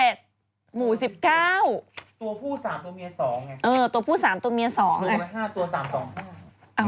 เออตัวผู้๓ตัวเมีย๒ไง